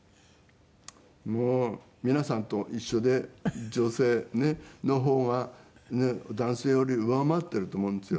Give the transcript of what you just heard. もう皆さんと一緒で女性の方が男性より上回っていると思うんですよ。